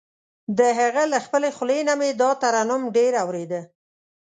د هغه له خپلې خولې نه مې دا ترنم ډېر اورېده.